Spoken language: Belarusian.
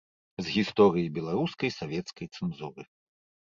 З гісторыі беларускай савецкай цэнзуры.